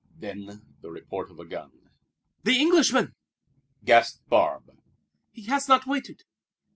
Then the report of a gun. "The Englishman!" gasped Barbe. "He has not waited.